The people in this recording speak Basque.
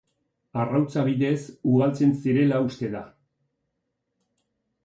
Arrautza bidez ugaltzen zirela uste da.